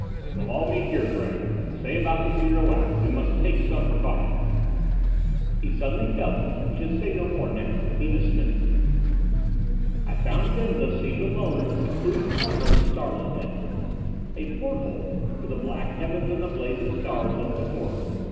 "We'll all meet here, Gregg say about the zero hour. We must take some precautions." He suddenly felt he should say no more now. He dismissed me. I found Venza seated alone in a secluded corner of the starlit deck. A porthole, with the black heavens and the blazing stars, was before her.